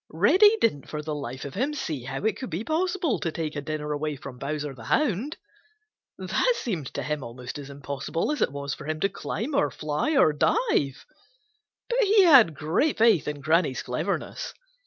Reddy didn't for the life of him see how it could be possible to take a dinner away from Bowser the Hound. That seemed to him almost as impossible as it was for him to climb or fly or dive. But he had great faith in Granny's cleverness.